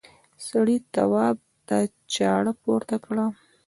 سړي تواب ته چاړه پورته کړه.